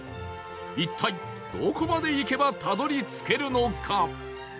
一体どこまで行けばたどり着けるのか？